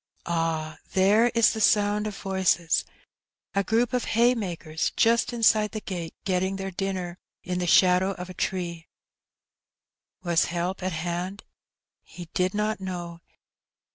Ah, there is the sound of voices; a group of haymakers just inside the gate getting their dinner in the shadow of a tree. Was help at hand? He did not know.